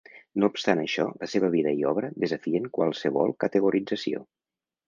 No obstant això, la seva vida i obra desafien qualsevol categorització.